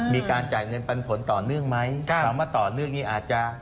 มีการจ่ายเงินปันผลต่อเนื่องไหมคำว่าต่อเนื่องนี่อาจจะ